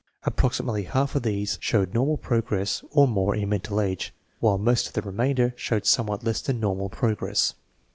Approximately half of these showed normal progress or more in mental age, while most of the remainder showed somewhat less than normal progress.